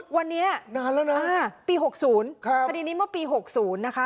วันนี้นานแล้วนะปี๖๐คดีนี้เมื่อปี๖๐นะคะ